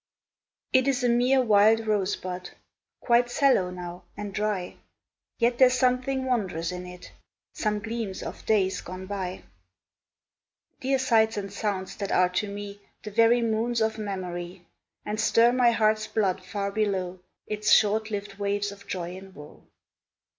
It is a mere wild rosebud, Quite sallow now, and dry, Yet there 's something wondrous in it, Some gleams of days gone by, Dear sights and sounds that are to me The very moons of memory, And stir my heart's blood far below Its short lived waves of joy and woe.